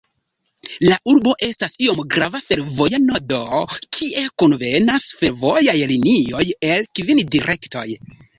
La urbo estas iom grava fervoja nodo, kie kunvenas fervojaj linioj el kvin direktoj.